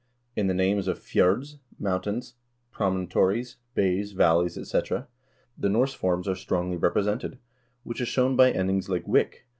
In the names of fjords, mountains, promontories, bays, valleys, etc., the Norse forms are strongly represented, which is shown by endings like wick (O.